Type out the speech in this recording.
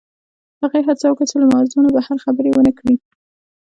هغې هڅه وکړه چې له موضوع نه بهر خبرې ونه کړي